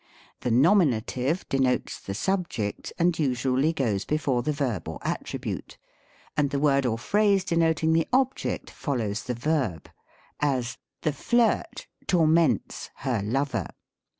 75 The nominative denotes the subject, and usually goes before the verb or attribute ; and the word or phrase, denoting the object, follows the verb ; as, " The flirt torments her lover."